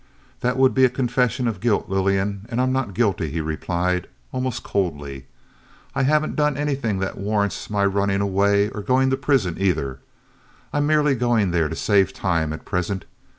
"That would be a confession of guilt, Lillian, and I'm not guilty," he replied, almost coldly. "I haven't done anything that warrants my running away or going to prison, either. I'm merely going there to save time at present.